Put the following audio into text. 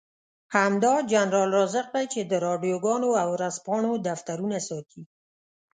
همدا جنرال رازق دی چې د راډيوګانو او ورځپاڼو دفترونه ساتي.